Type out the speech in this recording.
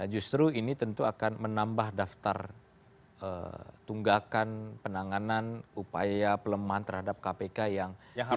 justru ini tentu akan menambah daftar tunggakan penanganan upaya pelemahan terhadap kpk yang harus